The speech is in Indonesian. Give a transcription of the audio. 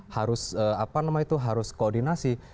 harus apa namanya itu harus koordinasi